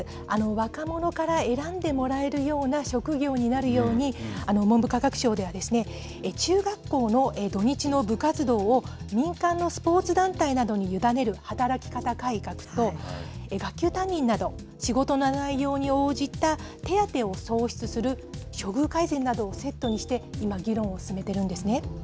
若者から選んでもらえるような職業になるように、文部科学省では、中学校の土日の部活動を民間のスポーツ団体などに委ねる働き方改革と、学級担任など、仕事の内容に応じた手当を創設する処遇改善などをセットにして、今、議論を進めているんですね。